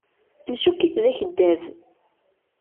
Ncukk-it d akeddab.